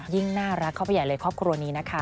ยิ่งน่ารักเข้าไปใหญ่เลยครอบครัวนี้นะคะ